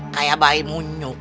kayak bayi munyuk